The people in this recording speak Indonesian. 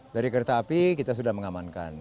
dari kereta api kita sudah mengamankan